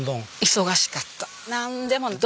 忙しかった。